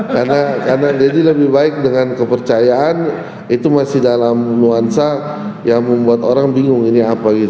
karena deddy lebih baik dengan kepercayaan itu masih dalam nuansa yang membuat orang bingung ini apa gitu